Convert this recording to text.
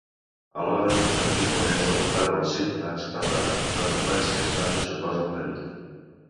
Alhora el govern japonès alertava als ciutadans que la delinqüència a Espanya suposa un perill.